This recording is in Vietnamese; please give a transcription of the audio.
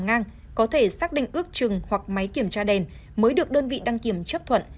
ngang có thể xác định ước chừng hoặc máy kiểm tra đèn mới được đơn vị đăng kiểm chấp thuận